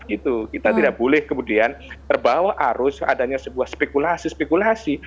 itu kita tidak boleh kemudian terbawa arus adanya sebuah spekulasi spekulasi